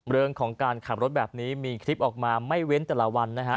เรื่องของการขับรถแบบนี้มีคลิปออกมาไม่เว้นแต่ละวันนะฮะ